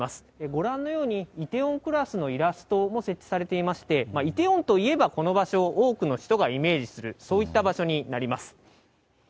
ご覧のように、梨泰院クラスのイラストも設置されていまして、イテウォンといえば、この場所を多くの人がイメージする、そういった場所になります。